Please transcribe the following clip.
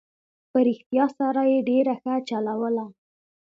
په رښتیا سره یې ډېره ښه چلوله.